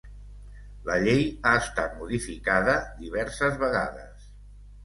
La Llei ha estat modificada diverses vegades.